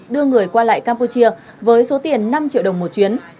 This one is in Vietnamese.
đưa người qua lại campuchia với số tiền năm triệu đồng một chuyến